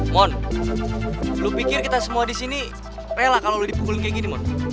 mon lo pikir kita semua disini rela kalo lo dipukul kayak gini mon